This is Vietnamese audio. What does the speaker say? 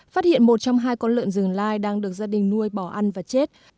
phát hiện một trong hai con lợn rừng lai đang được gia đình nuôi bỏ ăn và chết